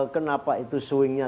kenapa itu swing nya